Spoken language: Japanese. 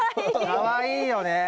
かわいいよねえ。